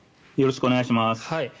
よろしくお願いします。